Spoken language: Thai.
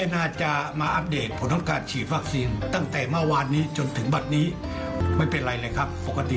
ถ้ามีโอกาสเพื่อนฉีดนะครับ